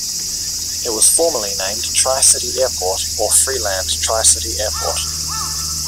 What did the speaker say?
It was formerly named Tri City Airport or Freeland Tri-City Airport.